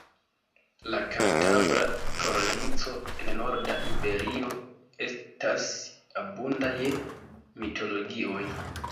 La Kantabra Kornico, en norda Iberio, estas abunda je mitologioj.